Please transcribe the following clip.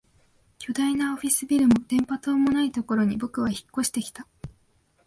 巨大なオフィスビルも電波塔もないところに僕は引っ越してきた